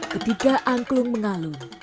ketiga angklung mengalun